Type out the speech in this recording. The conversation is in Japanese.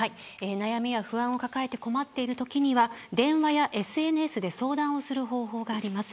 悩みや不安を抱えて困っているときには電話やＳＮＳで相談する方法があります。